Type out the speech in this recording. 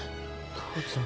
父ちゃん。